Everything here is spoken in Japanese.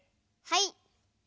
はい。